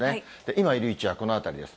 今いる位置はこの辺りです。